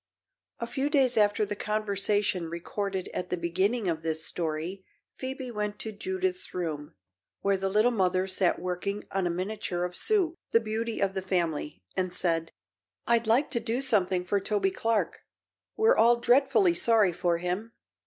A few days after the conversation recorded at the beginning of this story Phoebe went to Judith's room, where the Little Mother sat working on a miniature of Sue the beauty of the family and said: "I'd like to do something for Toby Clark. We're all dreadfully sorry for him."